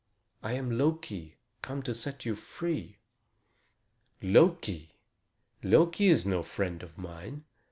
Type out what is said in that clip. I am Loki, come to set you free." "Loki! Loki is no friend of mine.